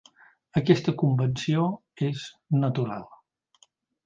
Aquesta convenció és natural.